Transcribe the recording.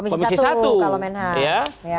komisi satu kalau menhan